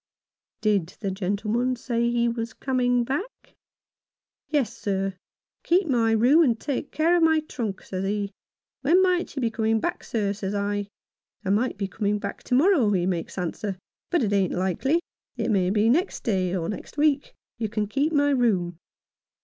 127 Rough Justice. " Did the gentleman say he was coming back ?"" Yes, sir. ' Keep my room and take care of my trunk,' says he. ' When might you be coming back, sir ?' says I. ' I might be coming back to morrow,' he makes answer, 'but it ain't likely. It may be next day — or next week. You can keep my room.'